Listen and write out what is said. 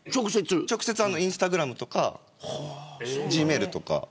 直接インスタグラムとかＧメールとか。